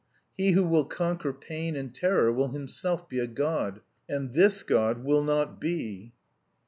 He who will conquer pain and terror will himself be a god. And this God will not be."